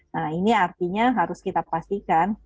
nah ini artinya harus kita pastikan